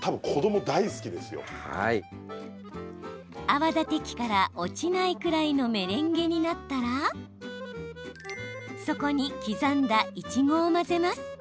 泡立て器から落ちないくらいのメレンゲになったらそこに刻んだいちごを混ぜます。